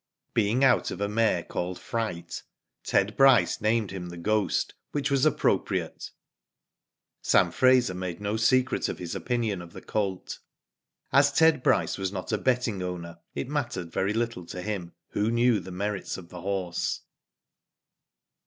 Being out of a mare called Fright, Ted Bryce named him The Ghost, which was appropriate. Sam Eraser made no secret of his opinion of the colt. As Ted Bryce was not a betting owner it Digitized byGoogk THE COLT BY PHANTOM. 2U mattered very little to him who knew the merits of the horse.